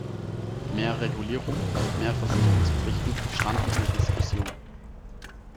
Mehr Regulierung, mehr Versicherungspflichten standen in der Diskussion.